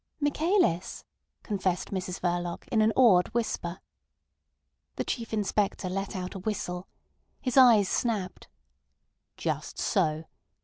"Michaelis," confessed Mrs Verloc in an awed whisper. The Chief Inspector let out a whistle. His eyes snapped. "Just so.